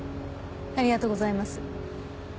ありがとうございます。